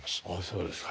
そうですか。